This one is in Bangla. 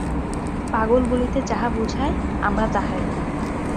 পাগল বলিতে যাহা বুঝায়, আমরা তাহাই।